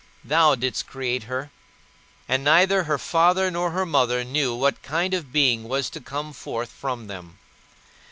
Thou didst create her, and neither her father nor her mother knew what kind of being was to come forth from them.